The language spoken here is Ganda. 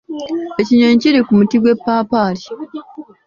Ekinyonyi kiri ku muti gw'epapaali.